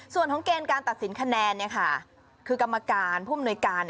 ส่วนของเกณฑ์การตัดสินคะแนนคือกรรมการผู้อำนวยการ